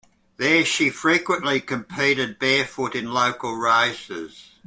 There she frequently competed barefoot in local races.